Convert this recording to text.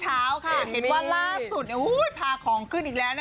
เห็นว่าล่าสุดพาของขึ้นอีกแล้วนะ